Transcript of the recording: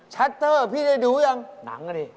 ชัตเตอร์พี่ได้ดูหรือยังหนังก็ดี